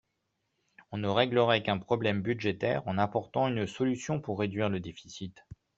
On ne réglerait qu’un problème budgétaire en apportant une solution pour réduire le déficit.